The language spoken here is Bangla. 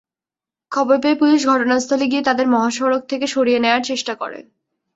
খবর পেয়ে পুলিশ ঘটনাস্থলে গিয়ে তাঁদের মহাসড়ক থেকে সরিয়ে দেওয়ার চেষ্টা করে।